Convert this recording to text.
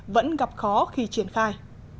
vẫn gặp khó khi triển khai